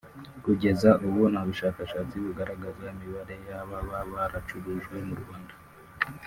Kugeza ubu nta bushakashatsi bugaragaza imibare y’ababa baracurujwe mu Rwanda